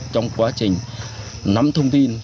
trong quá trình nắm thông tin